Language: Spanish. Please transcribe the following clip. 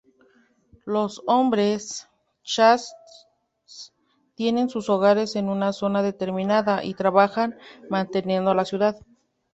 Los hombres-chasch tienen sus hogares en una zona determinada, y trabajan manteniendo la ciudad.